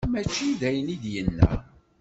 Mačči d ayen i d-yenna.